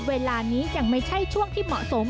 เวลานี้ยังไม่ใช่ช่วงที่เหมาะสม